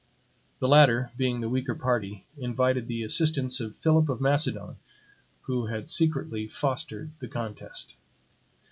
The latter, being the weaker party, invited the assistance of Philip of Macedon, who had secretly fostered the contest.